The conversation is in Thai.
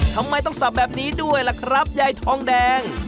ทำไมต้องสับแบบนี้ด้วยล่ะครับยายทองแดง